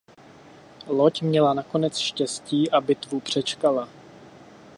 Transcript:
Loď měla nakonec štěstí a bitvu přečkala.